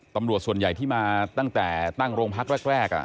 ตำรวจส่วนใหญ่ที่มาตั้งแต่ตั้งโรงพักแรก